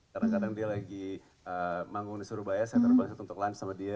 kadang kadang dia lagi bangung di surabaya saya terbang satu satu kelam sama dia